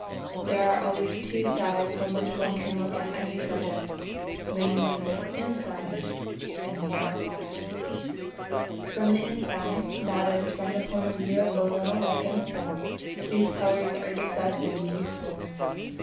There are always two sides from which one can look at any subject, namely the inside and the outside. From the inside (that is from the point of view of the little lichen itself) these colours are decidedly useful.